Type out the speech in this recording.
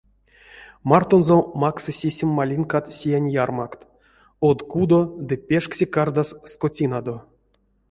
Мартонзо максы сисем малинкат сиянь ярмакт, од кудо ды пешксе кардаз скотинадо.